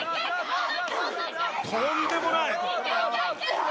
とんでもない。